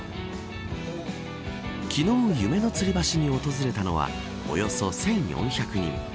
昨日、夢のつり橋に訪れたのはおよそ１４００人。